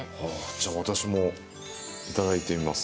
じゃ私もいただいてみます。